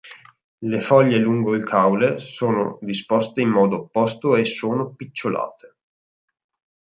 Le foglie lungo il caule sono disposte in modo opposto e sono picciolate.